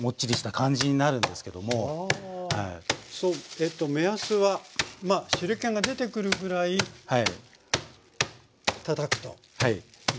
えっと目安はまあ汁けが出てくるぐらいたたくということですね。